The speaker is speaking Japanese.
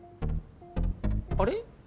あれ？